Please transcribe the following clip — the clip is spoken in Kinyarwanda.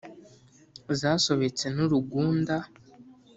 zasobetse n’urugunda.